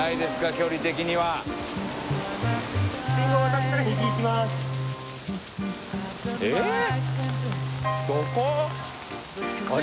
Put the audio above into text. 距離的にはえっえっ？